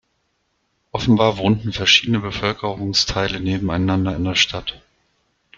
Offenbar wohnten verschiedene Bevölkerungsteile nebeneinander in der Stadt.